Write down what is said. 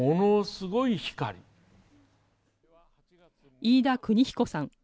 飯田國彦さん。